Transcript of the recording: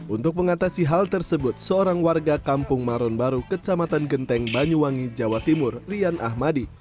untuk mengatasi hal tersebut seorang warga kampung maron baru kecamatan genteng banyuwangi jawa timur rian ahmadi